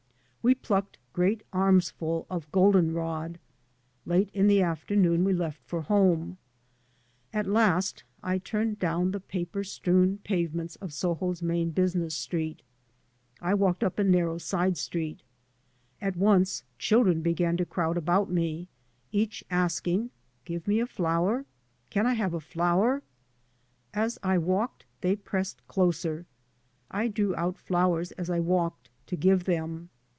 We plucked great arms ful of golden rod. Late in the afternoon we left for home. At last I turned down the paper strewn pave ments of Soho's main business street. I walked up a narrow stde street. At once children began to crowd about me, each ask ing, " Give me a flower? "" Can I have a flower?" As I walked they pressed closer. I drew out flowers as I walked, to give them.